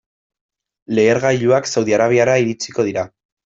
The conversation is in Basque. Lehergailuak Saudi Arabiara iritsiko dira.